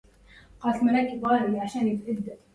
لئن ثنى الدهر من سهمي فلم يصل